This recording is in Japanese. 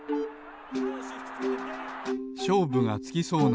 しょうぶがつきそうな